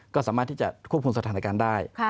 ก็สามารถที่จะควบคุมสถานการณ์ได้